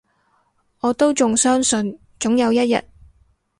我都仲相信，總有一日